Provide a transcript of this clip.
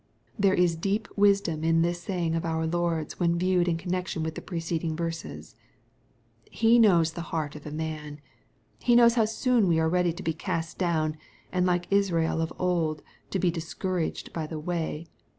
There is deep wisdom in this saying of our Lord's, when viewed in connection with the preceding verses. He knows the heart of a man. He knows how soon we are ready to be cast down, and like Israel of old to be ^' discour aged by the way."